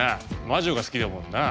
魔女が好きだもんな？